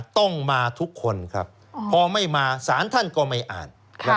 ต้องมาทุกคนครับพอไม่มาสารท่านก็ไม่อ่าน